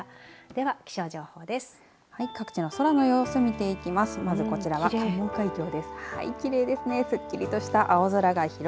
では、気象情報です。